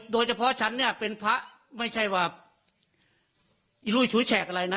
ดิฉันเนี่ยเป็นพระไม่ใช่ว่าอีลุยฉุยแฉกอะไรนะ